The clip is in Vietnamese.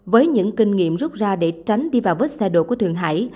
với những kinh nghiệm rút ra để tránh đi vào vết xe đổ của thượng hải